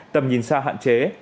tầm nhìn xa hạn chế